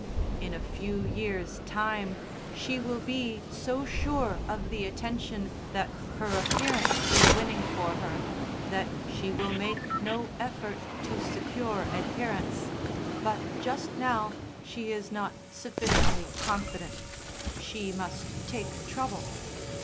In a few years' time she will be so sure of the attention that her appearance is winning for her that she will make no effort to secure adherents, but just now she is not sufficiently confident she must take trouble.